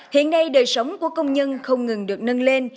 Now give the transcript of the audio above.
hiện nay đời sống của công nhân không ngừng được nâng lên